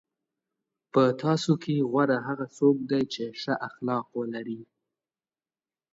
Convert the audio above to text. په تاسو کې غوره هغه څوک دی چې ښه اخلاق ولري.